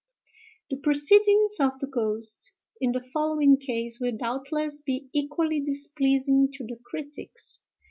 The proceedings of the ghost in the following case will doubtless be equally displeasing to the critics.